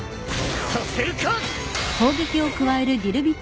させるか！